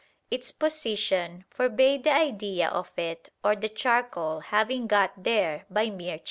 Its position forbade the idea of it or the charcoal having got there by mere chance.